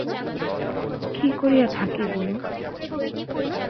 কী করিয়া থাকি বলুন।